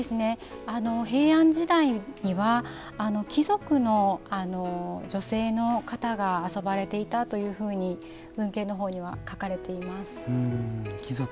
平安時代には貴族の女性の方が遊ばれていたというふうに文献のほうには書かれています。